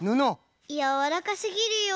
やわらかすぎるよ。